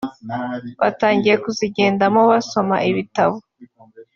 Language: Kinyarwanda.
batangiye kuzigendamo basoma ibitabo